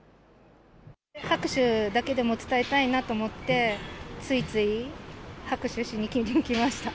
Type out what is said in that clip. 拍手だけでも伝えたいなと思って、ついつい拍手しに来ました。